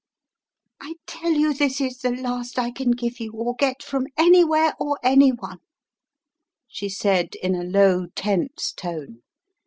"I tell you this is the last I can give you or get from anywhere or any one," she said in a low, tense tone.